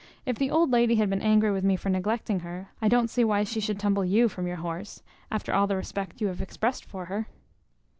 If the old lady had been angry with me for neglecting her, I don't see why she should tumble you from your horse, after all the respect you have expressed for her."